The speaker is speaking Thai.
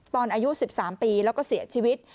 อายุ๑๓ปีแล้วก็เสียชีวิต